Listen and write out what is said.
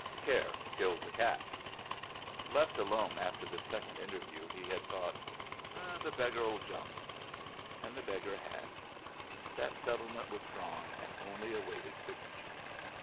"Care killed the cat!" Left alone after this second interview he had thought: 'The beggar'll jump.' And the beggar had. That settlement was drawn and only awaited signature.